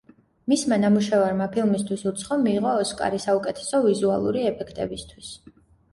მისმა ნამუშევარმა ფილმისთვის „უცხო“ მიიღო ოსკარი საუკეთესო ვიზუალური ეფექტებისთვის.